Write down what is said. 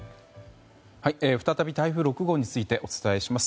再び台風６号についてお伝えします。